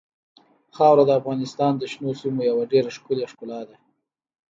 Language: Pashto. خاوره د افغانستان د شنو سیمو یوه ډېره ښکلې ښکلا ده.